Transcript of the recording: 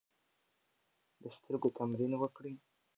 د سترګو تمرین وکړئ.